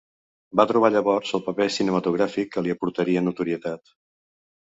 Va trobar llavors el paper cinematogràfic que li aportaria notorietat.